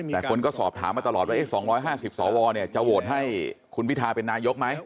แต่คนก็สอบถามมาตลอดว่า๒๕๐สวจะโหวตให้คุณพิทาเป็นนายกไหม